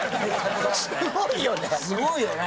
すごいよね。